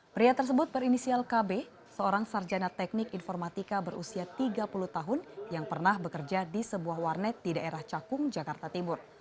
pria tersebut berinisial kb seorang sarjana teknik informatika berusia tiga puluh tahun yang pernah bekerja di sebuah warnet di daerah cakung jakarta timur